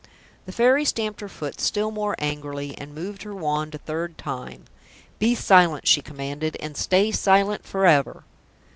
The Fairy stamped her foot still more angrily, and moved her wand a third time. "Be silent!" she commanded. "And stay silent for ever!"